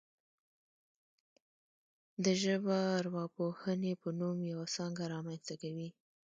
د ژبارواپوهنې په نوم یوه څانګه رامنځته کوي